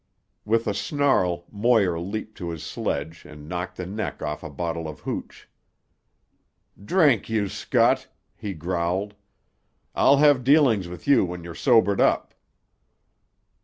With a snarl Moir leaped to his sledge and knocked the neck off a bottle of hooch. "Drink, you scut!" he growled. "I'll have dealings with you when you're sobered up."